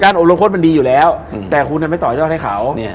การอบรมควบคุ้มมันดีอยู่แล้วแต่คุณทำไมต่อเจ้าให้เขา